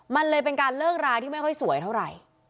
มันเลยเป็นการเลิกราที่ไม่ค่อยสวยเท่าไหร่